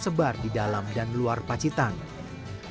kemudian mereka juga menyebutnya sebagai wayang beber